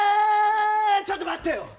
ちょっと待ってよ。